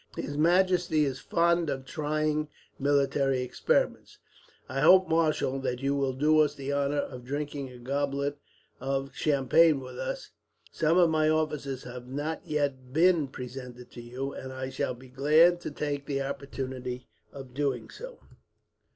His majesty is fond of trying military experiments." "I hope, marshal, that you will do us the honour of drinking a goblet of champagne with us. Some of my officers have not yet been presented to you, and I shall be glad to take the opportunity of doing so."